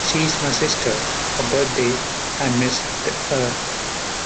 She is my sister, her birthday, I missed-a.